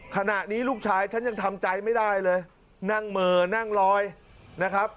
ขณะนี้ลูกชายฉันยังทำใจไม่ได้เลยนั่งเหม่อนั่งลอยนะครับ